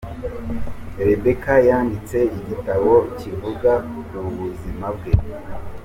Rebekah yanditse igitabo kivuga ku buzima bwe.